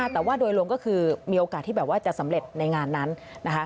แต่ว่าโดยรวมก็คือมีโอกาสที่แบบว่าจะสำเร็จในงานนั้นนะคะ